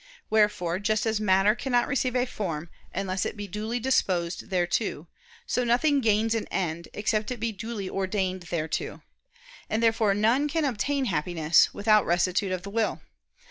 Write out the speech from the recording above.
Wherefore, just as matter cannot receive a form, unless it be duly disposed thereto, so nothing gains an end, except it be duly ordained thereto. And therefore none can obtain Happiness, without rectitude of the will.